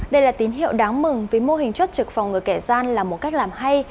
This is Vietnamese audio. đây là tín hiệu đáng mừng vì mô hình chốt trực phòng ngừa kẻ gian là một cách làm hay